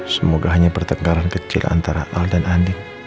semoga hanya pertengkaran kecil antara al dan andi